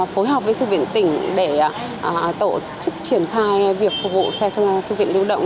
phối hợp với thư viện tỉnh để tổ chức triển khai việc phục vụ xe thư viện lưu động